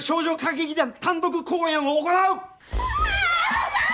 単独公演を行う！